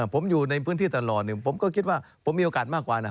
ผมอยู่ในพื้นที่ตลอดผมก็คิดว่าผมมีโอกาสมากกว่านะ